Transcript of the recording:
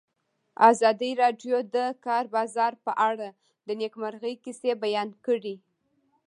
ازادي راډیو د د کار بازار په اړه د نېکمرغۍ کیسې بیان کړې.